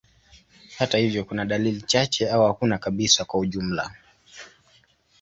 Hata hivyo, kuna dalili chache au hakuna kabisa kwa ujumla.